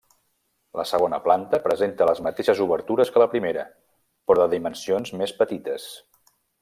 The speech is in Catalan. La segona planta presenta les mateixes obertures que la primera, però de dimensions més petites.